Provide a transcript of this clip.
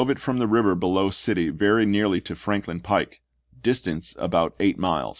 f it from the river below city very nearly to Franklin °beriea2S™" pike — distance about eight miles."